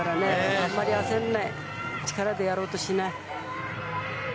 あんまり焦んない、力でやろうとしない。